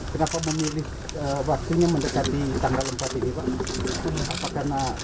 kenapa memilih waktunya mendekati tanggal empat ini pak